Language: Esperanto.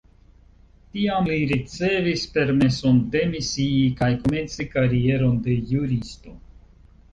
Tiam li ricevis permeson demisii kaj komenci karieron de juristo.